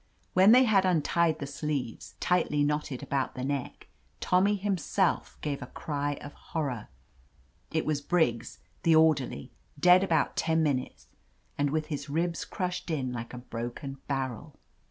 When they had untied the sleeves, tightly knotted about the neck, Tommy himself gave a cry of horror. It was Briggs, the orderly, dead about ten minutes, and with his ribs crushed in like a broken barrel.